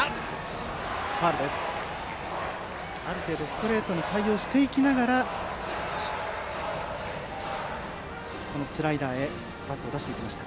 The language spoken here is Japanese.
ある程度、ストレートに対応していきながらスライダーへとバットを出していきました。